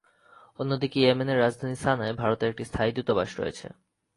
অপরদিকে ইয়েমেনের রাজধানী সানায় ভারতের একটি স্থায়ী দূতাবাস রয়েছে।